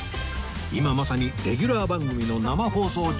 今まさにレギュラー番組の生放送中